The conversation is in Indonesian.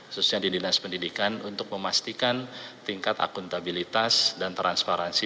khususnya di dinas pendidikan untuk memastikan tingkat akuntabilitas dan transparansi